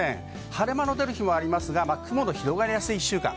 晴れ間の出る日もありますが、雲の広がりやすい１週間。